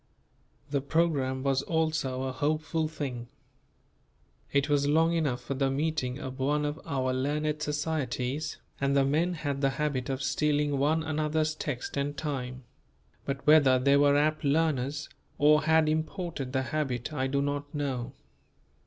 The program was also a hopeful thing. It was long enough for the meeting of one of our learned societies and the men had the habit of stealing one another's text and time; but whether they were apt learners or had imported the habit I do not know.